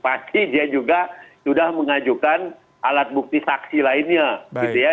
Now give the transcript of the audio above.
pasti dia juga sudah mengajukan alat bukti saksi lainnya gitu ya